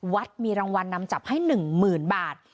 วัดมีรางวัลนำจับให้๑๐๐๐บาท